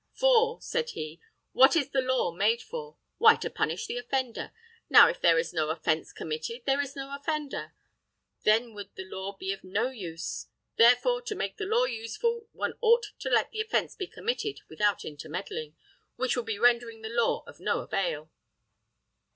"For," said he, "what is the law made for? Why, to punish the offender. Now, if there is no offence committed, there is no offender. Then would the law be of no use; therefore, to make the law useful, one ought to let the offence be committed without intermeddling, which would be rendering the law of no avail."